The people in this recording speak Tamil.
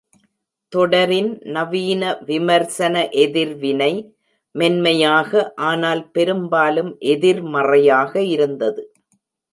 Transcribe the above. தொடரின் நவீன விமர்சன எதிர்வினை மென்மையாக ஆனால் பெரும்பாலும் எதிர்மறையாக இருந்தது.